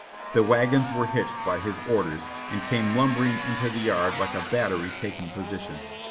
The wagons were hitched by his orders, and came lumbering into the yard like a battery taking position.